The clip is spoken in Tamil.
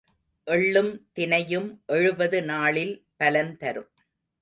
எள்ளும் தினையும் எழுபது நாளில் பலன் தரும்.